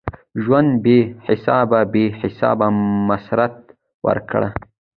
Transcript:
ژونده بی حسابه ؛ بی حسابه مسرت ورکړه